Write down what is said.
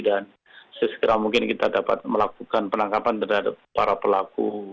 dan sesekarang mungkin kita dapat melakukan penangkapan terhadap para pelaku